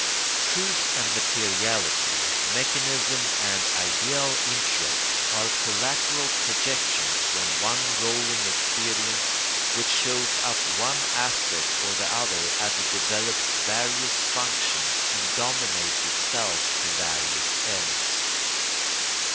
Truth and materiality, mechanism and ideal interests, are collateral projections from one rolling experience, which shows up one aspect or the other as it develops various functions and dominates itself to various ends.